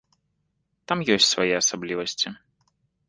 Там ёсць свае асаблівасці.